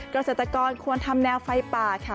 เกษตรกรควรทำแนวไฟป่าค่ะ